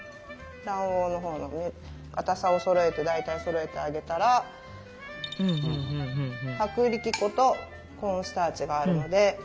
卵黄のほうにかたさをそろえて大体そろえてあげたら薄力粉とコーンスターチがあるので。